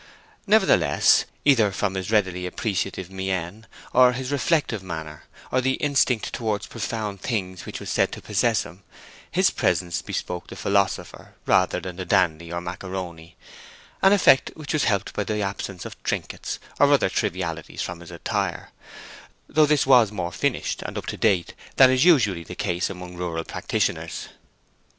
Nevertheless, either from his readily appreciative mien, or his reflective manner, or the instinct towards profound things which was said to possess him, his presence bespoke the philosopher rather than the dandy or macaroni—an effect which was helped by the absence of trinkets or other trivialities from his attire, though this was more finished and up to date than is usually the case among rural practitioners.